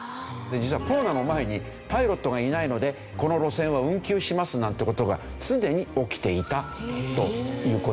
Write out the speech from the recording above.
実はコロナの前に「パイロットがいないのでこの路線は運休します」なんて事がすでに起きていたという事なんですよね。